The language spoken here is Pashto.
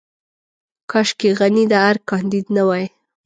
کاشکې غني د ارګ کانديد نه وای.